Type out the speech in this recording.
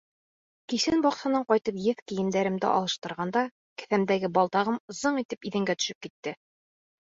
Кисен баҡсанан ҡайтып еҫ кейемдәремде алыштырғанда, кеҫәмдәге балдағым зың итеп иҙәнгә төшөп китте.